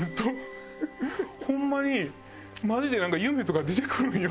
ホンマにマジでなんか夢とか出てくるんよ。